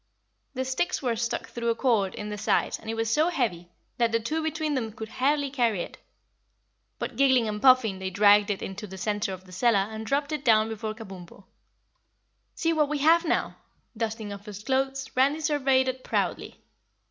The sticks were stuck through a cord in the side and it was so heavy that the two between them could hardly carry it. But giggling and puffing they dragged it into the center of the cellar and dropped it down before Kabumpo. "See what we have now!" Dusting off his clothes, Randy surveyed it proudly.